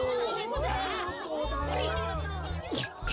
やった。